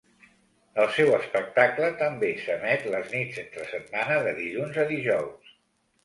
El seu espectacle també s"emet les nits entre setmana, de dilluns a dijous.